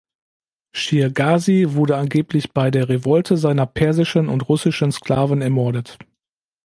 Shir Ghazi wurde angeblich bei der Revolte seiner persischen und russischen Sklaven ermordet.